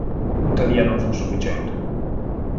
Tuttavia non fu sufficiente.